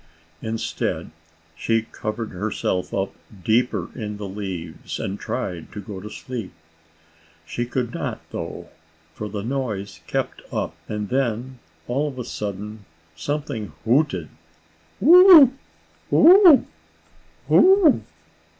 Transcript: Instead, she covered herself up deeper in the leaves, and tried to go to sleep. She could not, though, for the noise kept up. And then, all of a sudden, something hooted: "Who! Who! Who!